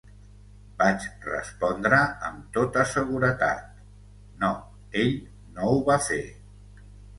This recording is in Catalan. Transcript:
Vaig respondre, amb tota seguretat no ell no ho va fer.